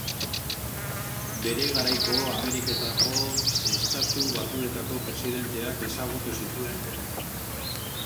Bere garaiko Ameriketako Estatu Batutako presidenteak ezagutu zituen Helenek.